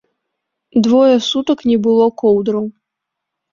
Двое сутак не было коўдраў.